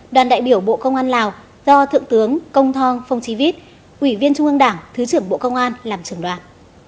đoàn đại biểu bộ công an lào do thượng tướng công thong phong chí vít ủy viên trung ương đảng thứ trưởng bộ công an làm trưởng đoàn